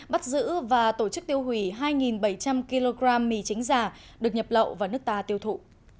bắt giữ và tổ chức tiêu hủy hai bảy trăm linh kg mì chính giả được nhập lậu vào nước ta tiêu thụ